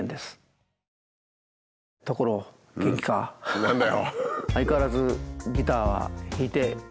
何だよ！